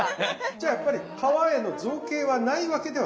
じゃあやっぱり皮への造詣はないわけではない？